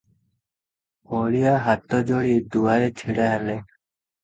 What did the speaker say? ହଳିଆ ହାତଯୋଡ଼ି ଦୁଆରେ ଛିଡ଼ାହେଲା ।